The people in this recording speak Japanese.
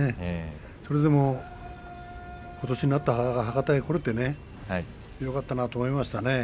それでもことしになったら博多に来れてねよかったなと思いますね。